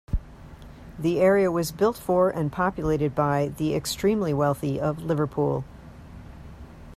The area was built for and populated by the extremely wealthy of Liverpool.